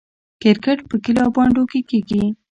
کرکټ په کلیو او بانډو کې کیږي.